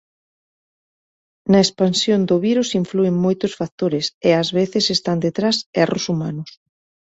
Na expansión do virus inflúen moitos factores e ás veces están detrás erros humanos.